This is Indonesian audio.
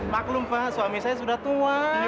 maklum pak suami saya sudah tua